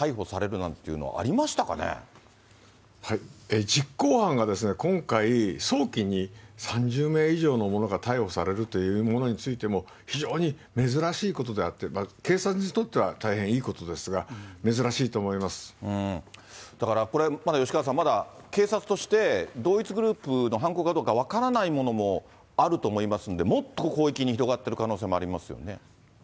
なん実行犯が今回、早期に３０名以上の者が逮捕されるというものについても、非常に珍しいことであって、警察にとっては大変いいことですが、だからこれ、まだ吉川さん、警察として、同一グループの犯行かどうか分からないものもあると思いますんで、もっと広域に広がってる可能性もありますよね。